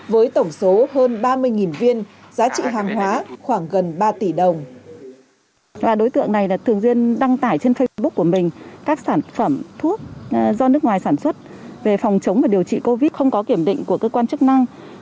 với tổng số hơn ba mươi viên giá trị hàng hóa